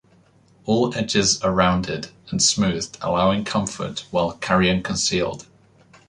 All edges are rounded and smoothed allowing comfort while carrying concealed.